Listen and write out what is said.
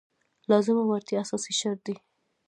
لازمه وړتیا اساسي شرط دی.